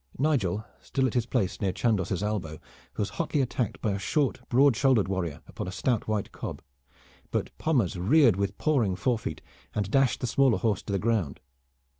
Nigel, still at his place near Chandos' elbow, was hotly attacked by a short broad shouldered warrior upon a stout white cob, but Pommers reared with pawing fore feet and dashed the smaller horse to the ground.